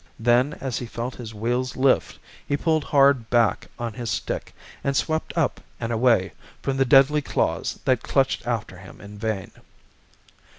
Then as he felt his wheels lift, he pulled hard back on his stick, and swept up and away from the deadly claws that clutched after him in vain.